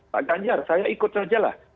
pak ganjar saya ikut sajalah